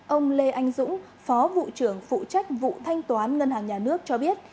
ông lê anh dũng phó vụ trưởng phụ trách vụ thanh toán ngân hàng nhà nước cho biết